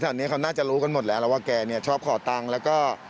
แถวนี้เขาน่าจะรู้กันหมดแล้วแล้วว่าแกเนี่ยชอบขอตังค์แล้วก็